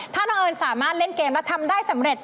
ถ้าน้องเอิญสามารถเล่นเกมและทำได้สำเร็จ